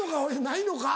ないのか？